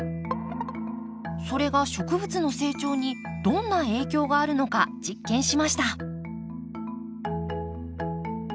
それが植物の成長にどんな影響があるのか実験しました。